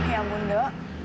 ya ampun del